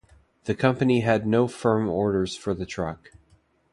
The company had no firm orders for the truck.